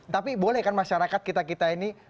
tapi boleh kan masyarakat kita kita ini